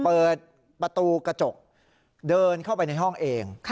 เปิดประตูกระจกเดินเข้าไปในห้องเอง